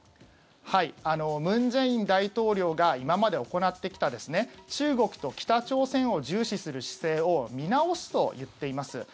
文在寅大統領が今まで行ってきた中国と北朝鮮を重視する姿勢を見直すと言っています。